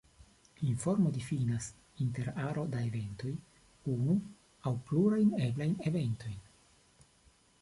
Informo difinas, inter aro da eventoj, unu aŭ plurajn eblajn eventojn.